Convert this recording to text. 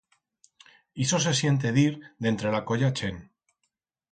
Ixo se siente dir d'entre la colla chent.